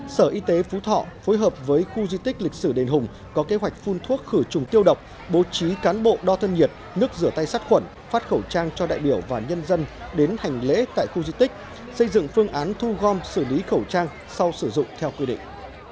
sở y tế phú thọ phối hợp với khu di tích lịch sử đền hùng có kế hoạch phun thuốc khử trùng tiêu độc bố trí cán bộ đo thân nhiệt nước rửa tay sát khuẩn phát khẩu trang cho đại biểu và nhân dân đến hành lễ tại khu di tích xây dựng phương án thu gom xử lý khẩu trang sau sử dụng theo quy định